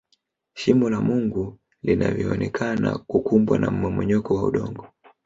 shimo la mungu linayoonekana kukumbwa na mmomonyoko wa udongo